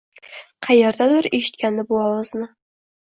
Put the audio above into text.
Qayerdadir eshitgandi bu ovozni.